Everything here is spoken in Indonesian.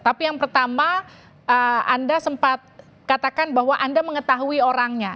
tapi yang pertama anda sempat katakan bahwa anda mengetahui orangnya